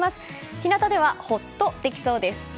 日なたではほっとできそうです。